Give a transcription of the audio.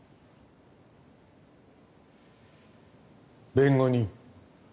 弁護人。